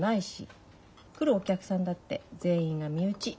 来るお客さんだって全員が身内。